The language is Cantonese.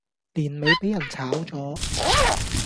年尾俾人炒左